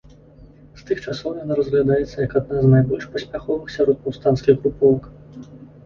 З тых часоў яна разглядаецца як адна з найбольш паспяховых сярод паўстанцкіх груповак.